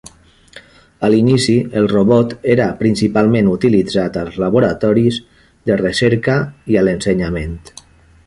A l'inici, el robot era principalment utilitzat als laboratoris de recerca i a l'ensenyament.